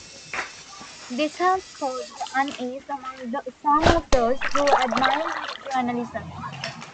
This has caused unease among some of those who admire his journalism.